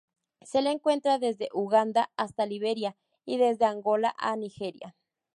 Se le encuentra desde Uganda hasta Liberia y desde Angola a Nigeria.